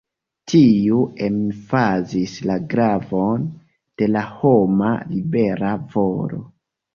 Tiu emfazis la gravon de la homa libera volo.